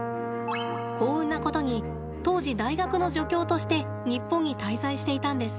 幸運なことに当時、大学の助教として日本に滞在していたんです。